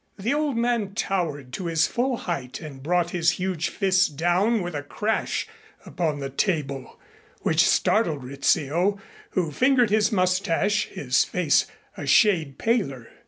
The old man towered to his full height and brought his huge fist down with a crash upon the table which startled Rizzio, who fingered his mustache, his face a shade paler.